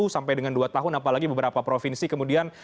sepuluh sampai dengan dua tahun apalagi beberapa provinsi kemudian